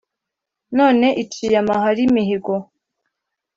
None iciye amahari imihigo,